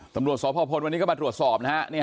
ตำรวจสพพลวันนี้ก็มาตรวจสอบนะฮะ